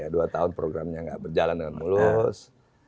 dua tahun programnya tidak berjalan dengan mulus